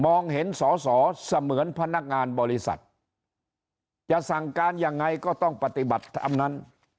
เห็นสอสอเสมือนพนักงานบริษัทจะสั่งการยังไงก็ต้องปฏิบัติตามนั้น